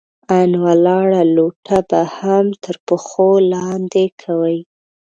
ان ولاړه لوټه به هم تر پښو لاندې کوئ!